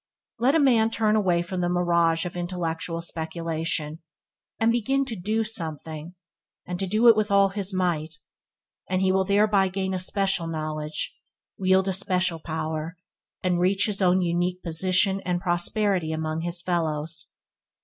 Let a man turn away from the mirages of intellectual speculation, and begin to do something, and to do it with all his might, and he will thereby gain a special knowledge, wield a special power, and reach his own unique position and prosperity among his fellows.